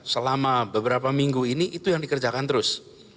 selama beberapa minggu ini itu yang dikerjakan terus